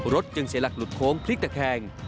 จึงเสียหลักหลุดโค้งพลิกตะแคง